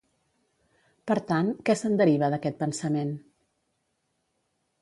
Per tant, què se'n deriva d'aquest pensament?